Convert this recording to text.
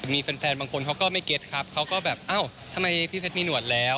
มีแฟนบางคนเขาก็ไม่เก็ตครับเขาก็แบบเอ้าทำไมพี่เพชรมีหนวดแล้ว